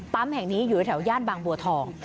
แห่งนี้อยู่ในแถวย่านบางบัวทอง